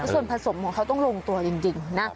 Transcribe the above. ส่วนผสมของเขาต้องลงตัวจริงนะ